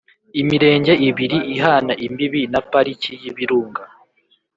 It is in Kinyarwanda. imirenge ibiri ihana imbibi na Pariki y ibirunga